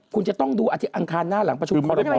คุณจะต้องดูอังคารหน้าหลังประชุมคุณ